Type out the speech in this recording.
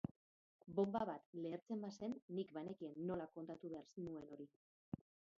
Bonba bat lehertzen bazen, nik banekien nola kontatu behar nuen hori.